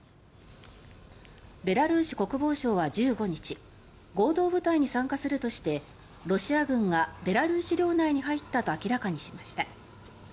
ベラルーシ国防省は１５日合同部隊に参加するとしてロシア軍が、ベラルーシ領内に入ったと明らかにしました。